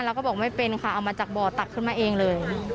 เราก็บอกไม่เป็นค่ะเอามาจากบ่อตักขึ้นมาเองเลย